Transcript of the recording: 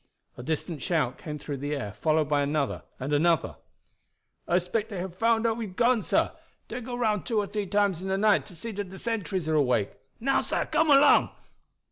A distant shout came through the air, followed by another and another. "I 'spect dey hab found out we have gone, sah. Dey go round two or tree times in de night to see dat de sentries are awake. Now, sah, come along."